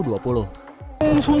timnya lebih bergerak dari timnya